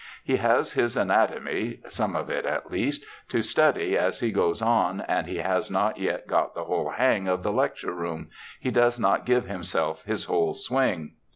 He has his anatomy — some of it at least — to study as he goes on, and he has not yet got the whole hang of the lecture room — he does not give himself his whole swing.